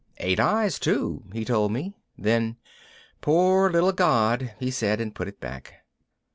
"Eight eyes too," he told me. Then, "Poor little god," he said and put it back.